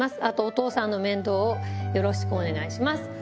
あと、お父さんの面倒をよろしくお願いします。